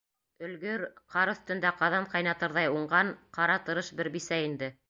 Өлгөр, ҡар өҫтөндә ҡаҙан ҡайнатырҙай уңған, ҡара тырыш бер бисә инде.